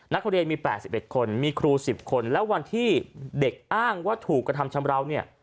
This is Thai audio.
นักเรียนมี๘๑คนมีครู๑๐คนแล้ววันที่เด็กอ้างว่าถูกกระทำชำราวเนี่ย